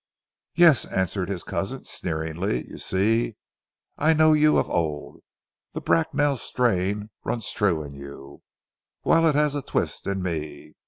"Yes," answered his cousin sneeringly. "You see, I know you of old. The Bracknell strain runs true in you, whilst it has a twist in me.